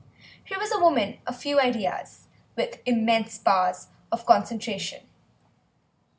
She was a woman of few ideas, with immense powers of concentration.